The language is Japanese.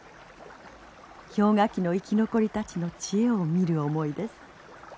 氷河期の生き残りたちの知恵を見る思いです。